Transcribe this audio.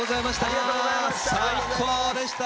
最高でした！